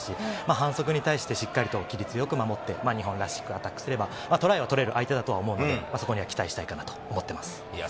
反則に対してしっかりと規律よく守って、日本らしくアタックすれば、トライを取れる相手だと思うので、期待したいかなと思います。